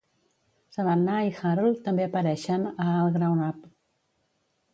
Savannah i Harold també apareixen a All Grown Up!